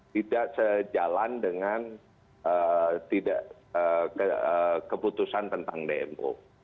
tidak sejalan dengan keputusan tentang dmo